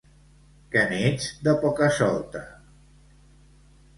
Que n'ets de poca-solta.